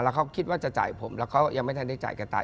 แล้วเขาคิดว่าจะจ่ายผมแล้วเขายังไม่ได้จ่ายกับตาย